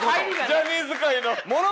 ジャニーズ界の。